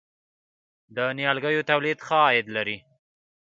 د نیالګیو تولید ښه عاید لري؟